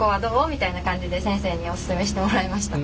みたいな感じで先生におすすめしてもらいました。